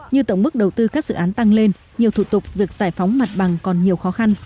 như tổng mức đầu tư các dự án tăng lên nhiều thủ tục việc giải phóng mặt bằng còn nhiều khó khăn